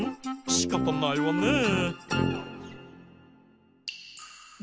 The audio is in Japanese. しかたないわねえ。